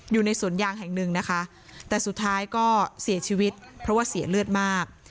อยู่ในสวนยางแห่งหนึ่งนะคะแต่สุดท้ายก็เสียชีวิตเพราะว่าเสียเลือดมาก